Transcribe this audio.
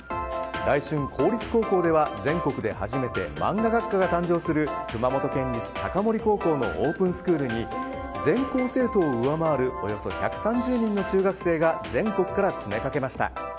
来春、公立高校では全国で初めてマンガ学科が誕生する熊本県立高森高校のオープンスクールに全校生徒を上回るおよそ１３０人の中学生が全国から詰めかけました。